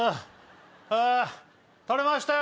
あ取れましたよ。